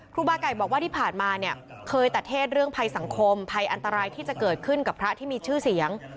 ครูบาไก่บอกว่าที่ผ่านมาเนี่ยเคยตัดเทศเรื่องภัยสังคมภัยอันตรายที่จะเกิดขึ้นกับพระที่มีชื่อเสียง